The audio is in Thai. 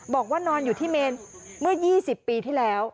บอกว่านอนอยู่ที่เมนเมื่อ๒๐ปีที่แล้ว